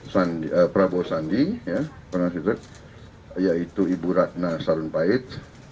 sandi prabowo sandi ya orang orang yaitu ibu ratna salun pahit